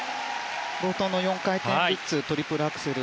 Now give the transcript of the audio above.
冒頭の４回転ルッツトリプルアクセル。